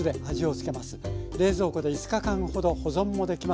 冷蔵庫で５日間ほど保存もできます。